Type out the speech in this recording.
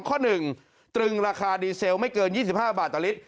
ข้อ๑ตรึงราคาดีเซลไม่เกิน๒๕บาทต่อลิตร